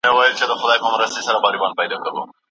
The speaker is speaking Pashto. ناخوښه کړنې زموږ روان اغېزمنوي.